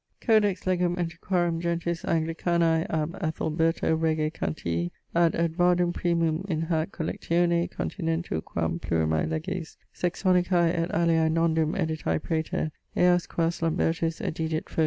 Codex legum antiquarum gentis Anglicanae ab Ethelberto rege Cantii ad Edvardum primum: in hac collectione continentur quam plurimae leges Saxonicae et aliae nondum editae praeter eas quas Lambertus edidit: fol.